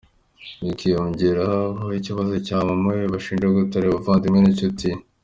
Bikiyongera ho ikibazo cya mama we bashinja gutakira abavandimwe n’inshuti ye.